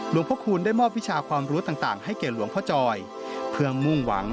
พระคูณได้มอบวิชาความรู้ต่างให้แก่หลวงพ่อจอยเพื่อมุ่งหวัง